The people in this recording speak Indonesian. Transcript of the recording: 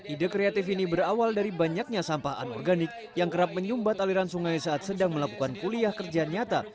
ide kreatif ini berawal dari banyaknya sampah anorganik yang kerap menyumbat aliran sungai saat sedang melakukan kuliah kerja nyata